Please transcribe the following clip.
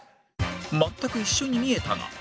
全く一緒に見えたが